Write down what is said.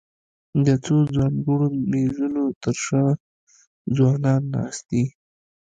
د څو ځانګړو مېزونو تر شا ځوانان ناست دي.